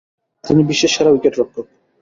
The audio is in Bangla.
তিনি বিশ্বের সেরা উইকেট-রক্ষক।